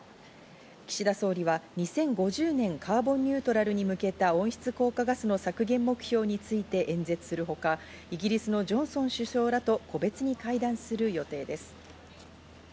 岸田総理は２０５０年、カーボンニュートラルに向けた温室効果ガスの削減目標について演説するほか、イギリスのジョンソン首相らと個別に会談する予定です。